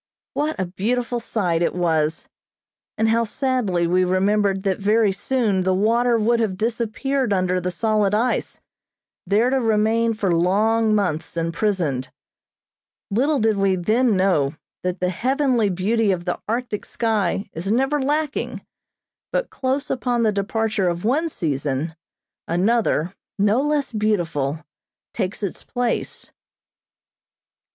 What a beautiful sight it was, and how sadly we remembered that very soon the water would have disappeared under the solid ice, there to remain for long months imprisoned. Little did we then know that the heavenly beauty of the Arctic sky is never lacking, but close upon the departure of one season, another, no less beautiful, takes its place.